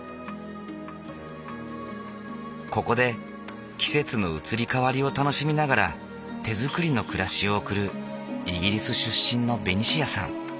ここで季節の移り変わりを楽しみながら手づくりの暮らしを送るイギリス出身のベニシアさん。